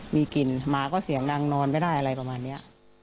มีกลิ่นมาก็เสียงดังนอนไม่ได้อะไรประมาณนี้